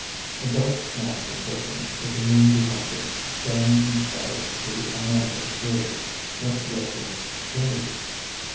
A dark mass of building, with the moon behind it, shining in spires through a mound of firs, met Redworth's gaze.